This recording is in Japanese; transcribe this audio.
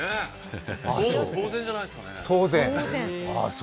当然じゃないですかね。